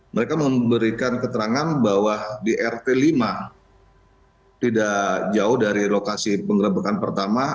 mereka memberikan keterangan bahwa di rt lima tidak jauh dari lokasi penggerebekan pertama